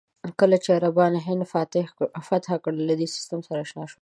کله چې عربان هند فتح کړل، له دې سیستم سره اشنا شول.